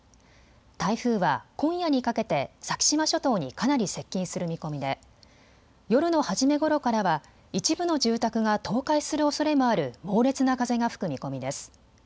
台風は今夜にかけて先島諸島にかなり接近する見込みで夜の初めごろからは一部の住宅が倒壊するおそれもある猛烈な風が吹く見込みです。